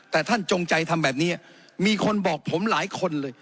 แต่ท่านจงใจทำแบบนี้มีคนบอกผมหลายคนเลย